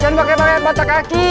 jangan pake mata kaki